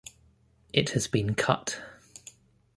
It has been cut.